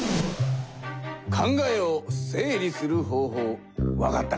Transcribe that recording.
考えを整理する方ほうわかったかな？